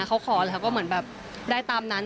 เขาขอแล้วก็เหมือนแบบได้ตามนั้น